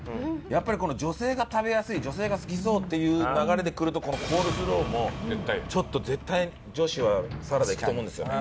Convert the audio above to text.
やっぱり女性が食べやすい女性が好きそうっていう流れでくるとこのコールスローもちょっと絶対女子はサラダいくと思うんですよね。